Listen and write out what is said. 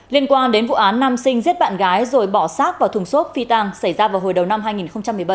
liên quan đến vụ án nam sinh giết bạn gái rồi bỏ sát vào thùng xốp phi tàng xảy ra vào hồi đầu năm hai nghìn một mươi bảy